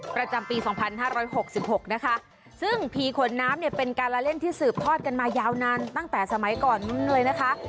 ประจำปีสองพันห้าร้อยหกสิบหกนะคะซึ่งผีขนน้ำเนี่ยเป็นการละเล่นที่สืบทอดกันมายาวนานตั้งแต่สมัยก่อนเลยนะคะ